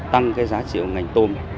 tăng cái giá trị của ngành tôm